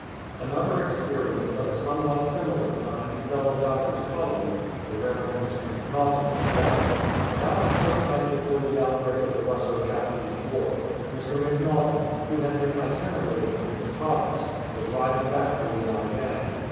Another experience of a somewhat similar kind befell the doctor^s colleague, the Rev. Mr. MacNaughtan him self. About a fortnight before the outbreak of the Russo Japanese War, Mr. MacNaughtan, who had been itinerating in the province, was riding back to Liao yang.